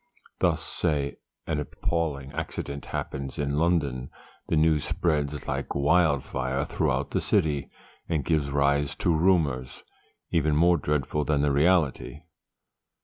Thus, say, an appalling accident happens in London; the news spreads like wildfire throughout the city, and gives rise to rumours, even more dreadful than the reality.